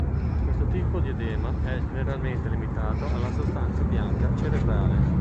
Questo tipo di edema è generalmente limitato alla sostanza bianca cerebrale.